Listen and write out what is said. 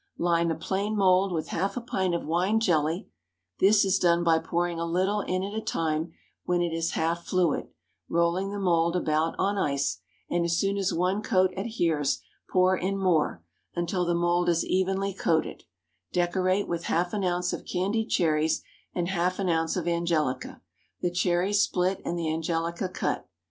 Line a plain mould with half a pint of wine jelly; this is done by pouring a little in at a time when it is half fluid, rolling the mould about on ice, and as soon as one coat adheres, pour in more, until the mould is evenly coated; decorate it with half an ounce of candied cherries and half an ounce of angelica the cherries split and the angelica cut.